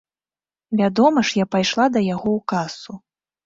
Вядома ж я пайшла да яго ў касу.